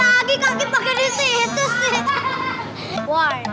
lagi kaget pake disitu sih